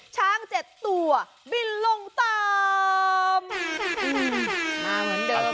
ช้าง๗ตัวบินลงต่ำ